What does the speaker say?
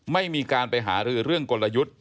ไม่มีการไปหารือเรื่องกลยุทธ์